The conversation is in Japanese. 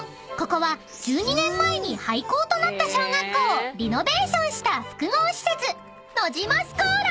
ここは１２年前に廃校となった小学校をリノベーションした複合施設のじまスコーラ］